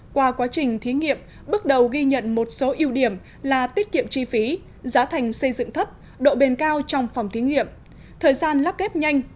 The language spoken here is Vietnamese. qua quá trình thí nghiệm bước đầu ghi nhận một số ưu điểm là tiết kiệm chi phí giá thành xây dựng thấp độ bền cao trong phòng thí nghiệm thời gian lắp ghép nhanh